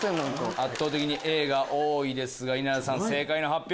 圧倒的にＡが多いですが稲田さん正解の発表